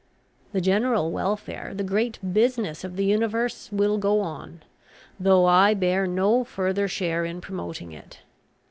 The general welfare, the great business of the universe, will go on, though I bear no further share in promoting it.